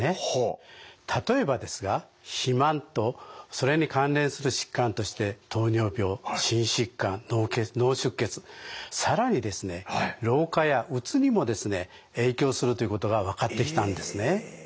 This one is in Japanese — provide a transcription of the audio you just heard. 例えばですが肥満とそれに関連する疾患として糖尿病心疾患脳出血更にですね老化やうつにもですね影響するということが分かってきたんですね。